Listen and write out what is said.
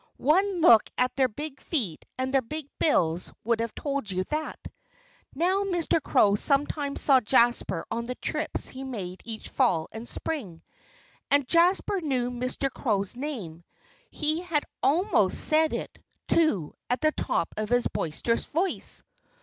One look at their big feet and their big bills would have told you that. Now, Mr. Crow sometimes saw Jasper on the trips he made each fall and spring. And Jasper knew Mr. Crow's name. He had almost said it, too, at the top of his boisterous voice.